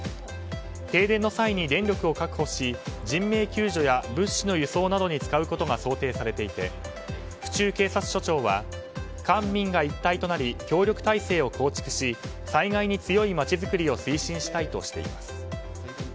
停電の際に電力を確保し人命救助や物資の輸送などに使うことが想定されていて府中警察署長は官民が一体となり協力体制を構築し災害に強い街づくりを推進したいとしています。